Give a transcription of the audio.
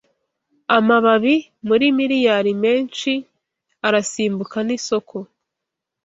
Amababi muri miriyari menshi arasimbuka nisoko